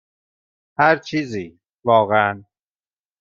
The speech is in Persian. هر چیزی، واقعا.